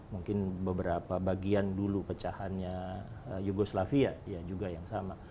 mungkin beberapa bagian dulu pecahannya yugoslavia ya juga yang sama